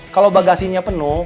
kalo bagasinya penuh